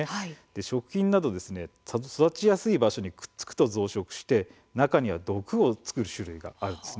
食品など、育ちやすい場所にくっつくと増殖して中には毒を作る種類があるんです。